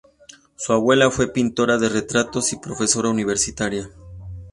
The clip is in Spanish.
Su abuela fue pintora de retratos y profesora universitaria.